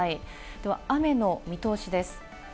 では雨の見通しです。